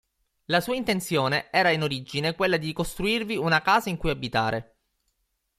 La sua intenzione era in origine quella di costruirvi una casa in cui abitare.